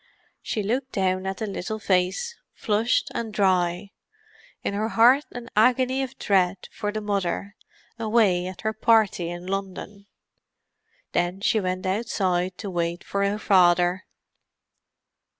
She looked down at the little face, flushed and dry; in her heart an agony of dread for the Mother, away at her party in London. Then she went outside to wait for her father.